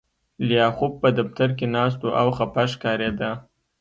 لیاخوف په دفتر کې ناست و او خپه ښکارېده